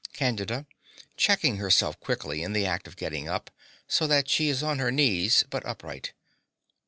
CANDIDA (checking herself quickly in the act of getting up, so that she is on her knees, but upright).